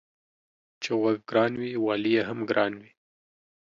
چي غوږ گران وي والى يې هم گران وي.